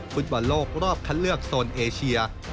ฟุตบอลโลกรอบคัดเลือกโซนเอเชีย